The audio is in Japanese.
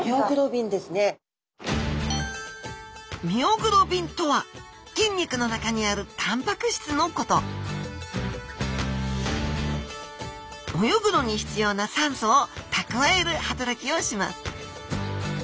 ミオグロビンとは筋肉の中にあるたんぱく質のこと泳ぐのに必要な酸素を蓄える働きをします